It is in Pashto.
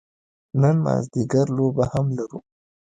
نن مازدیګر لوبه هم لرو.